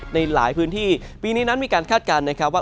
ในหลายพื้นที่ปีนี้นั้นมีการคาดการณ์นะครับว่า